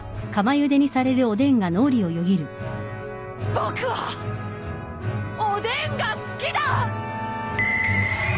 僕はおでんが好きだ！